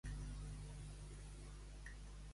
Això evita censurar els hisendats?